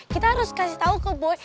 kita harus kasih tahu ke boy